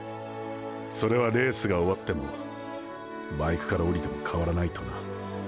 それはレースが終わってもバイクから降りても変わらないとな。